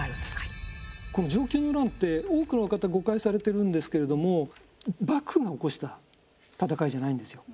この承久の乱って多くの方誤解されてるんですけれども幕府が起こした戦いじゃないんですよ。